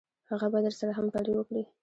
هغه به درسره همکاري وکړي.